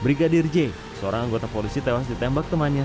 brigadir j seorang anggota polisi tewas ditembak temannya